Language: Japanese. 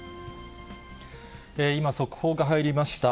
今、速報が入りました。